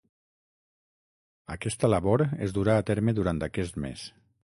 Aquesta labor es durà a terme durant aquest mes.